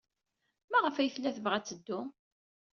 Maɣef ay tella tebɣa ad teddu?